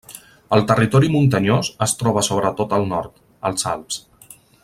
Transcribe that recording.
El territori muntanyós es troba sobretot al nord, als Alps.